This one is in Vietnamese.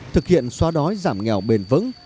thực hiện xóa đói giảm nghèo bền vững